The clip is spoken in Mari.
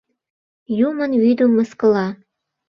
— Юмын вӱдым мыскыла!